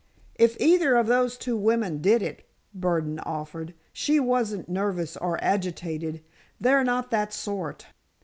"If either of those two women did it," Burdon offered, "she wasn't nervous or agitated. They're not that sort.